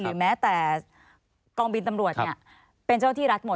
แฟนกานแท้กลองบินตำรวจเนี่ยเป็นเจ้าหน้าที่รัฐหมด